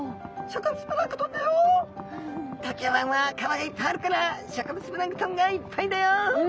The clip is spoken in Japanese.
東京湾は川がいっぱいあるから植物プランクトンがいっぱいだよ。